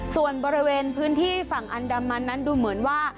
ส่วนบริเวณพื้นที่ฝั่งอันดามันนั้นดูเหมือนว่า